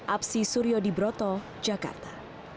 apsi suryo di broto jakarta